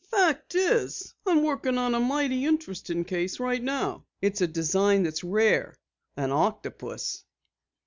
Fact is, I'm workin' on a mighty interesting case right now. It's a design that's rare an octopus."